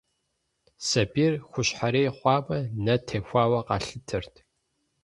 Сабийр хущхьэрей хъуамэ, нэ техуауэ къалъытэрт.